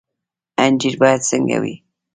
انجنیر باید څنګه وي؟